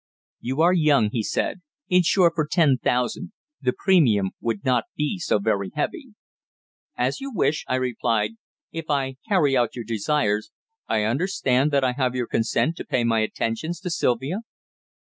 "You are young," he said. "Insure for ten thousand. The premiums would be not so very heavy." "As you wish," I replied. "If I carry out your desires, I understand that I have your consent to pay my attentions to Sylvia?"